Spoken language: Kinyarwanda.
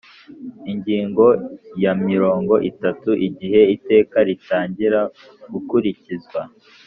Ingingo ya mirongo itatu Igihe iteka ritangira gukurikizwa